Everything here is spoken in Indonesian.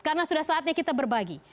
karena sudah saatnya kita berbagi